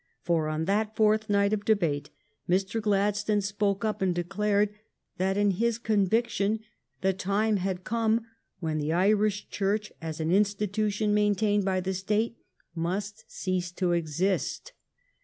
For on that fourth night of debate Mr. Gladstone spoke up and declared that, in his conviction, the time had come when the Irish Church as an institution maintained by the State must cease to exist.